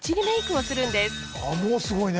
あっもうすごいね。